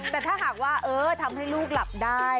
แต่ถ้าหากว่าทำให้ลูกหลับได้